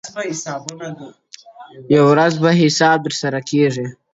o هندو له يخه مړ سو چرگه ئې ژوندۍ پاته سوه.